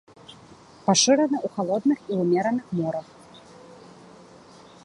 Пашыраны ў халодных і ўмераных морах.